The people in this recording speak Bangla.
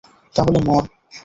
তাহলে মর।